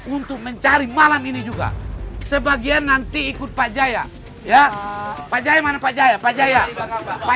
untuk mencari malam ini juga sebagian nanti ikut pak jaya ya pak jaya mana pak jaya pak jaya pak